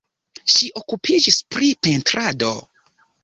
Ŝi okupiĝis pri pentrado.